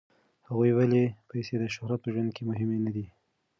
هغې ویلي، پیسې او شهرت په ژوند کې مهم نه دي.